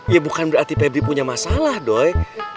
ya bukan berarti pebri punya masalah doi